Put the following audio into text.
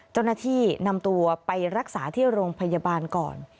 เจ้าหน้าที่นำตัวไปรักษาที่โรงพยาบาลก่อน